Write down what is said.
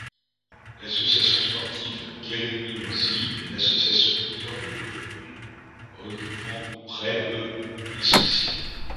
L'association sportive Guérigny-Urzy est l'association moteur des deux communes, regroupant près de licenciés.